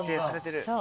そう。